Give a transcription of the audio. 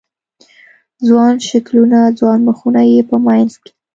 ځوان شکلونه، ځوان مخونه یې په منځ کې